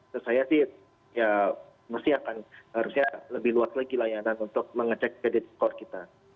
terus saya sih ya mesti akan harusnya lebih luas lagi layanan untuk mengecek kredit score kita